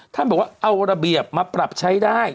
ท่านบอกว่าเอาระเบียบมาปรับใช้ได้